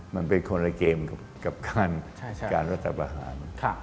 มันเป็นคนละเกมกับการรัฐประหาร